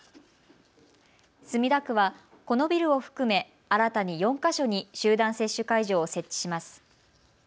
墨田区は、このビルを含め新たに４か所に集団接種会場を設置します。